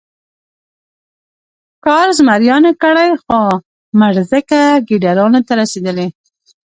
ښکار زمریانو کړی خو مړزکه ګیدړانو ته رسېدلې.